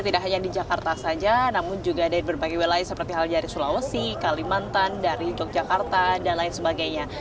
tidak hanya di jakarta saja namun juga dari berbagai wilayah seperti hal dari sulawesi kalimantan dari yogyakarta dan lain sebagainya